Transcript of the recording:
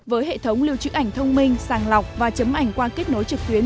với hệ thống lưu trữ ảnh thông minh sàng lọc và chấm ảnh qua kết nối trực tuyến